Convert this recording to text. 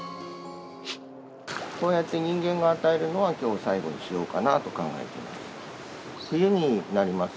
こうやって人間が与えるのは、きょうで最後にしようかなと考えています。